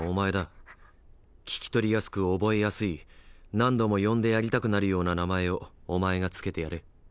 聞き取りやすく覚えやすい何度も呼んでやりたくなるような名前をお前が付けてやれ。